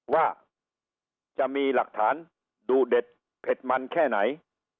ว่าจะมีหลักฐานดูเด็ดเผ็ดมันแค่ไหน